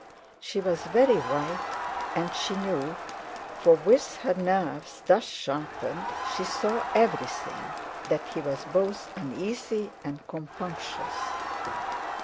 She was very white, and she knew—for with her nerves thus sharpened she saw everything—that he was both uneasy and compunctious.